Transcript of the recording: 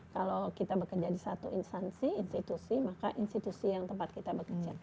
kalau kita bekerja di satu instansi institusi maka institusi yang tempat kita bekerja